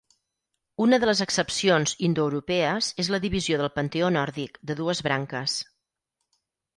Una de les excepcions indoeuropees és la divisió del panteó nòrdic, de dues branques.